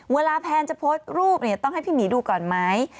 เวลาแพนจะโพสต์รูปต้องให้พี่หมีดูก่อนไหม